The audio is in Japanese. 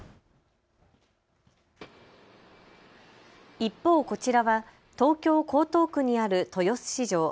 一方こちらは東京江東区にある豊洲市場。